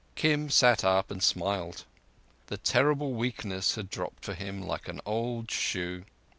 Kim sat up and smiled. The terrible weakness had dropped from him like an old shoe.